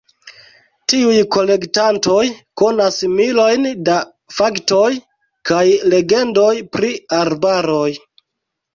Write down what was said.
Tiuj kolektantoj konas milojn da faktoj kaj legendoj pri arbaroj.